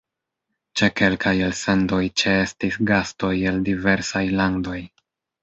Ĉe kelkaj elsendoj ĉeestis gastoj el diversaj landoj.